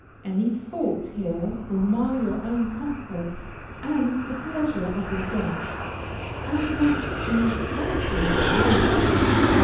Any fault here will mar your own comfort and the pleasure of your guests, and must be carefully avoided.